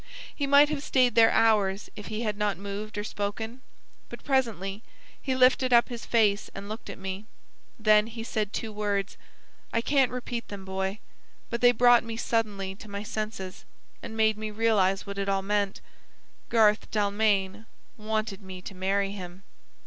He might have stayed there hours if he had not moved or spoken; but presently he lifted up his face and looked at me. Then he said two words. I can't repeat them, Boy; but they brought me suddenly to my senses, and made me realise what it all meant. Garth Dalmain wanted me to marry him."